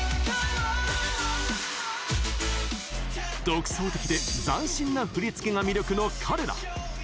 独創的で斬新な振り付けが魅力の彼ら。